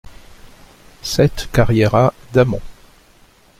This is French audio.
sept carriera d'Amont